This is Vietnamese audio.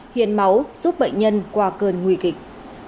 hiến máu giúp bệnh nhân qua cơn nguy kịch